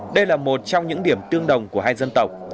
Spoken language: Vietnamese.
đây là một trong những điểm tương đồng của hai dân tộc